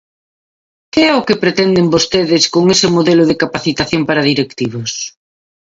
¿Que é o que pretenden vostedes con ese modelo de capacitación para directivos?